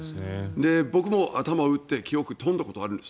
僕も頭を打って記憶が飛んだことがあるんです。